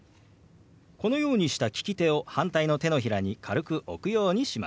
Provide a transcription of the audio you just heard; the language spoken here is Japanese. このようにした利き手を反対の手のひらに軽く置くようにします。